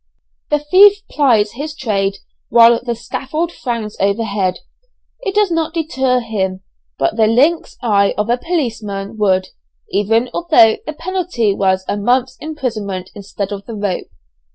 The thief plies his trade while the scaffold frowns overhead, it does not deter him, but the lynx eye of a policeman would, even although the penalty was a months' imprisonment instead of the rope.